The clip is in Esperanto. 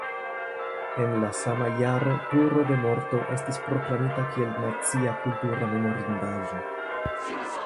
En la sama jaro Turo de morto estis proklamita kiel nacia kultura memorindaĵo.